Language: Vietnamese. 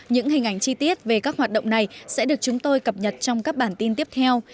những hình ảnh chi tiết về các hoạt động này sẽ được chúng tôi cập nhật trong các bản tin tiếp theo